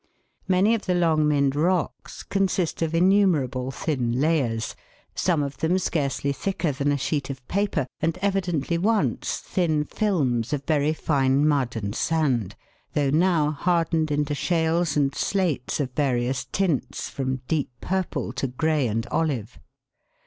Many of the Longmynd rocks consist of innumerable thin layers, some of them scarcely thicker than a sheet of paper, and evidently once thin films of very fine mud and sand, though now hardened into shales and slates of various tints, from deep purple to grey and olive.